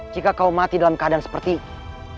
jika kau mati dalam keadaan seperti ini